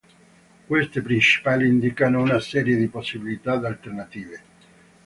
Queste principali indicano una serie di possibilità alternative.